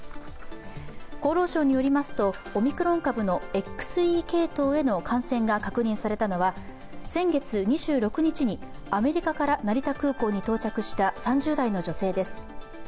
厚労省によりますと、オミクロン株のＸＥ系統への感染が確認されたのは先月２６日にアメリカから成田空港に到着した３０代の女性です。